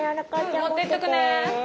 うん持ってっとくね。